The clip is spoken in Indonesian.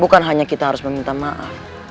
bukan hanya kita harus meminta maaf